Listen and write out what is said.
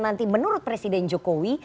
nanti menurut presiden jokowi